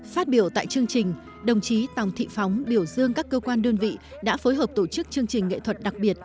phát biểu tại chương trình đồng chí tòng thị phóng biểu dương các cơ quan đơn vị đã phối hợp tổ chức chương trình nghệ thuật đặc biệt